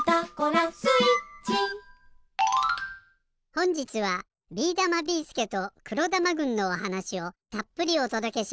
ほんじつはビーだま・ビーすけと黒玉軍のおはなしをたっぷりおとどけします。